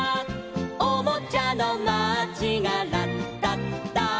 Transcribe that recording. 「おもちゃのマーチがラッタッタ」